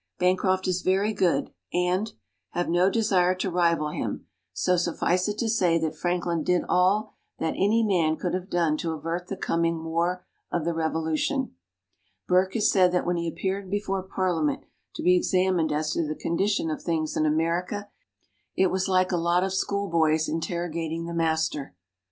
Bancroft is very good, and! have no desire to rival him, so suffice it to say that Franklin did all that any man could have done to avert the coming War of the Revolution. Burke has said that when he appeared before Parliament to be examined as to the condition of things in America, it was like a lot of schoolboys interrogating the master.